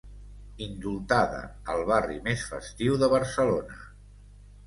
Indultada al barri més festiu de Barcelona.